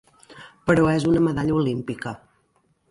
Però és una medalla olímpica.